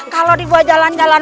kalau dibawa jalan jalan